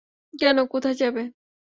কেন, কোথায় যাবে।